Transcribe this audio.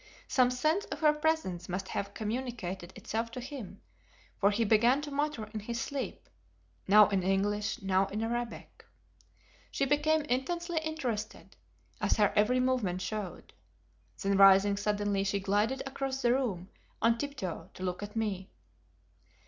Some sense of her presence must have communicated itself to him, for he began to mutter in his sleep, now in English, now in Arabic. She became intensely interested; as her every movement showed. Then rising suddenly she glided across the room on tiptoe to look at me.